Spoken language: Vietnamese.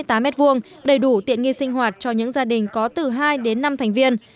đầy đủ tiện nghi sinh hoạt cho những gia đình có từ hai đến năm thành viên